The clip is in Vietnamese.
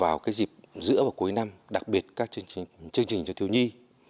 vào cái dịp giữa và cuối năm đặc biệt các chương trình cho thiếu nhi